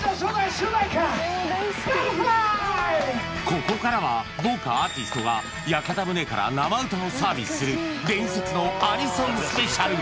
ここからは豪華アーティストが屋形船から生歌をサービスする伝説のアニソンスペシャル！